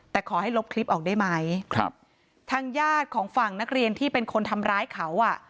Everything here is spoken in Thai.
แต่ขอให้ลบคลิปออกได้ไหมครับทางญาติของฝั่งนักเรียนที่เป็นคนทำร้ายเขาอ่ะ